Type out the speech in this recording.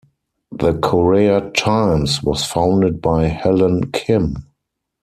"The Korea Times" was founded by Helen Kim.